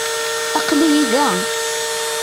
Aqel-iyi da.